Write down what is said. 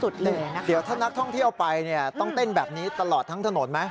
เดี๋ยวถ้านักท่องที่เอาไปต้องเต้นแบบนี้ตลอดทางถนนไหม